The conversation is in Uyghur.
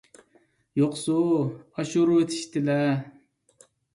يوقسۇ! ئاشۇرۇۋېتىشتىلە!